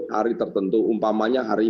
hari tertentu umpamanya hari